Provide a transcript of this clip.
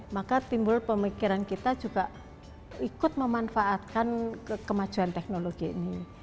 maka timbul pemikiran kita juga ikut memanfaatkan kemajuan teknologi ini